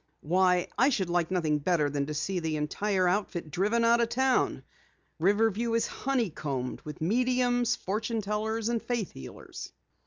Why, I should like nothing better than to see the entire outfit driven out of town! Riverview is honeycombed with mediums, fortune tellers and faith healers!"